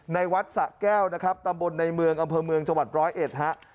ในวัดสะแก้วตำบลในเมืองอำเภอเมืองจังหวัด๑๐๑